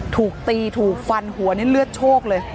ถูกตีถูกฟันหัวนี่เลือดโชคเลย